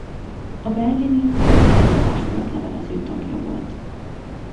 A berlini történeti társulat levelező tagja volt.